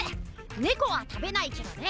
ねこはたべないけどね。